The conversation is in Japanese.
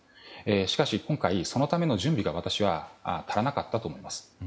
しかし今回、そのための準備が私は足らなかったと思います。